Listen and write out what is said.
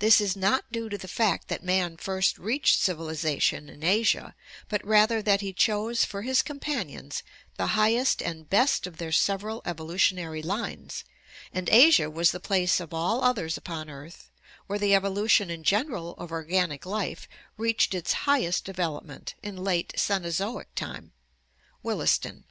This is not due to the fact that man first reached civilization in Asia, but rather that he chose for his companions the highest and best of their several evolutionary lines, and Asia was the place of all others upon earth where the evolution in general of organic life reached its highest development 672 ORGANIC EVOLUTION in late Cenozoic time (Williston).